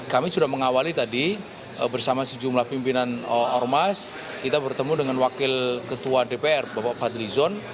kami sudah mengawali tadi bersama sejumlah pimpinan ormas kita bertemu dengan wakil ketua dpr bapak fadli zon